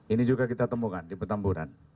ini juga kita temukan di petamburan